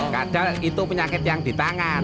padahal itu penyakit yang di tangan